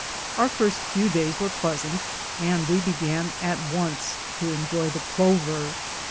Our first few days were pleasant, and we began at once to enjoy the plover.